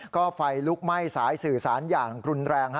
ก็ไฟลุกไหม้สายสื่อสารอย่างรุนแรง